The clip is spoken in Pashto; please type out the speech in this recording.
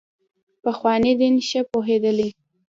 پخواني دین ښه پوهېدلي.